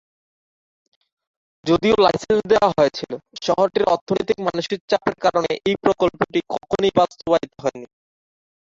যদিও লাইসেন্স দেওয়া হয়েছিল, শহরটির অর্থনৈতিক মানসিক চাপের কারণে এই প্রকল্পটি কখনই বাস্তবায়িত হয়নি।